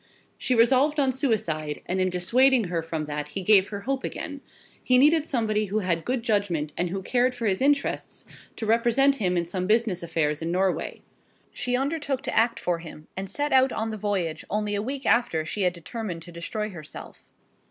She resolved on suicide, and in dissuading her from that he gave her hope again. He needed somebody who had good judgment, and who cared for his interests, to represent him in some business affairs in Norway. She undertook to act for him, and set out on the voyage only a week after she had determined to destroy herself.